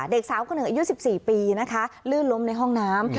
เด็กสาวคนหนึ่งอายุ๑๔ปีนะคะลื่นล้มในห้องน้ำ